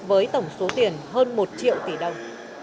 với tổng số tiền hơn một triệu tỷ đồng